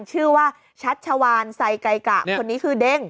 ชื่อว่าชัชวานไซไก่กะคนนี้คือเด้ง